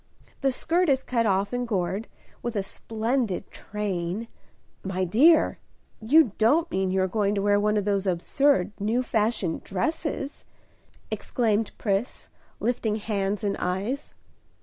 The skirt is cut off and gored, with a splendid train " "My dear, you don't mean you are going to wear one of those absurd, new fashioned dresses?" exclaimed Pris, lifting hands and eyes.